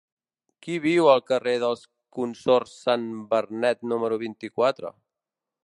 Qui viu al carrer dels Consorts Sans Bernet número vint-i-quatre?